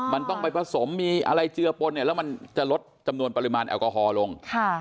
มันต้องไปผสมมีอะไรเจือปนเนี่ยแล้วมันจะลดจำนวนปริมาณแอลกอฮอลลง